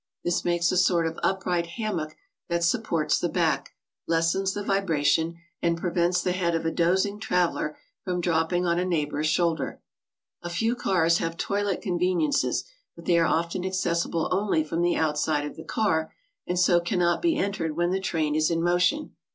This makes a sort of upright hammock that supports the back, lessens the vibration, and prevents the head of a dozing traveler from dropping on a neighbor's shoulder. A few cars have toilet conveniences, but they are often accessible only from the outside of the car, and so cannot be entered when the train is in motion.